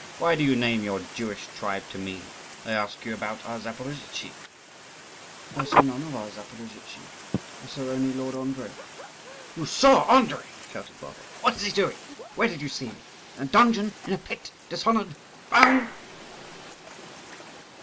"Why do you name your Jewish tribe to me? I ask you about our Zaporozhtzi." "I saw none of our Zaporozhtzi; I saw only Lord Andrii." "You saw Andrii!" shouted Bulba. "What is he doing? Where did you see him? In a dungeon? in a pit? dishonoured? bound?"